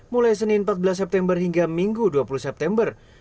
mulai senin empat belas september hingga minggu dua puluh september